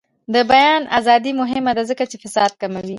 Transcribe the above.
د بیان ازادي مهمه ده ځکه چې فساد کموي.